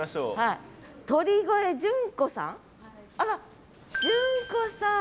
あら淳子さん。